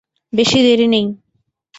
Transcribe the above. বেশি দেরি নেই।